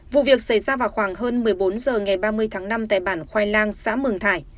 vụ việc xảy ra vào khoảng hơn một mươi bốn h ngày ba mươi tháng năm tại bản khoai lang xã mường thải